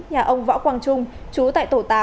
nhà ông võ quang trung chú tại tổ tám